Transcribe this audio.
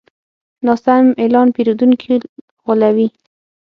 ناسم اعلان پیرودونکي غولوي.